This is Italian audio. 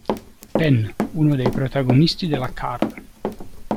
Penn, uno dei protagonisti della card.